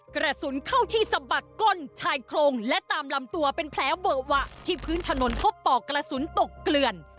กระสุนเข้าที่สะบักก้นชายโครงและตามลำตัวเป็นแผลเวอะวะที่พื้นถนนพบปอกกระสุนตกเกลื่อน